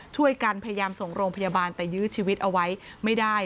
ช่วยกันพยายามส่งโรงพยาบาลแต่ยื้อชีวิตเอาไว้ไม่ได้